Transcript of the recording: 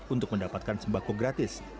untuk mendapatkan sembako gratis